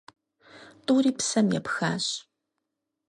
ТӀури псэм епхащ.